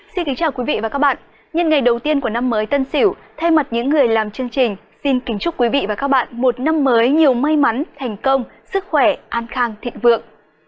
xin kính chào quý vị và các bạn nhân ngày đầu tiên của năm mới tân sửu thay mặt những người làm chương trình xin kính chúc quý vị và các bạn một năm mới nhiều may mắn thành công sức khỏe an khang thịnh vượng